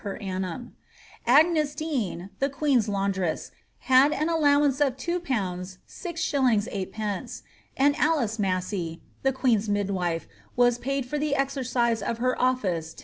per annum. Agnes Dean, the queen^s laundress, had an allowance of 22. Gs. Sd, ; and Alice Massey, the queen's midwife, was paid for the exercise of her office 10